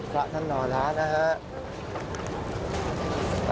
พระท่านนอนแล้วนะครับ